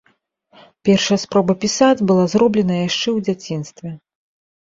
Першая спроба пісаць была зроблена яшчэ ў дзяцінстве.